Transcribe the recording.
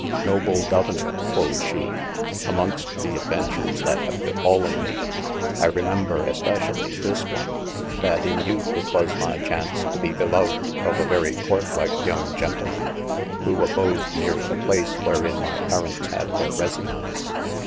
Noble governor (quod she) amongst the adventures that have befallen mee, I remember especially this one, that in youth it was my chaunce to bee beloved of a verye courtlike yong Gentleman, who abode neare the place wherin my parents had their resiaunce.